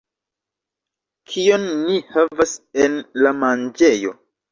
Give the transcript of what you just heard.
Kion ni havas en la manĝejo